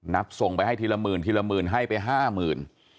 ส่งไปให้ทีละหมื่นทีละหมื่นให้ไปห้าหมื่น